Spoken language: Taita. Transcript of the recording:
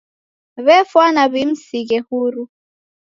W'efwana w'imsighe huru.